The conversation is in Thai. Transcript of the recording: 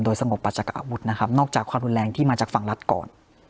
โดยสมบัติประจกอาวุธนะครับนอกจากความรุนแรงที่มาจากฝั่งรัฐกร